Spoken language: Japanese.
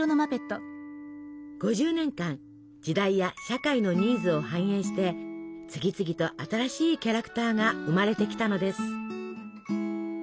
５０年間時代や社会のニーズを反映して次々と新しいキャラクターが生まれてきたのです。